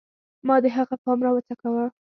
ما د هغه پام راوڅکاوه